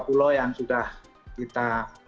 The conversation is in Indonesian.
pulau yang sudah kita